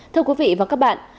thưa quý vị và các bạn